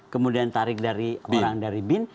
kemudian tarik dari orang dari bin